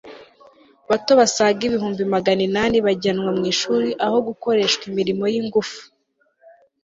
bato basaga ibihumbi magana inani bajyanwa mu ishuri aho gukoreshwaimirimo y'ingufu